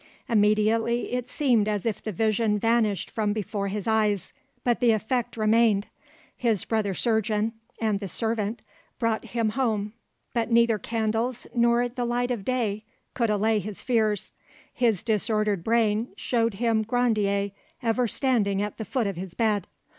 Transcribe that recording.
Immediately it seemed as if the vision vanished from before his eyes, but the effect remained. His brother surgeon and the servant brought him home, but neither candles nor the light of day could allay his fears; his disordered brain showed him Grandier ever standing at the foot of his bed.